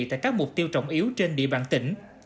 tại các mục tiêu trọng yếu trên địa bàn tỉnh